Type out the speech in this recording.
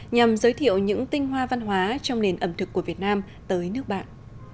nhằm giới thiệu những tinh hoa văn hóa trong nền ẩm thực của việt nam tới nước bạn